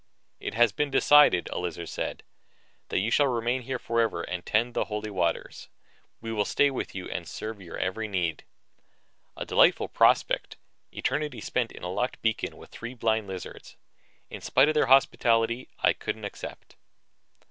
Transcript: "It has been decided," a lizard said, "that you shall remain here forever and tend the Holy Waters. We will stay with you and serve your every need." A delightful prospect, eternity spent in a locked beacon with three blind lizards. In spite of their hospitality, I couldn't accept.